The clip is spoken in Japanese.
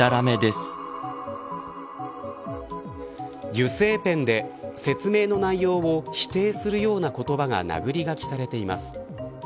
油性ペンで説明の内容を否定するような言葉が殴り書きされています。